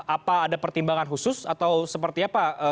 apa ada pertimbangan khusus atau seperti apa